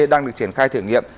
đang được triển khai thử nghiệm